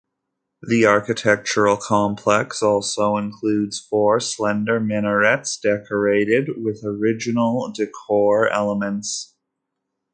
The architectural complex also includes four slender minarets decorated with original decor elements.